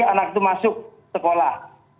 anak itu masuk sekolah